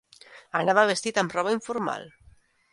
Anava vestit amb roba informal.